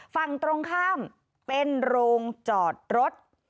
ฝั่งตรงข้ามเป็นโรงจอดรถ